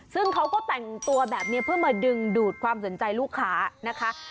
ซึ่งเขาก็แต่งตัวแบบนี้เพื่อมาดึงดูดความสนใจลูกค้านะคะ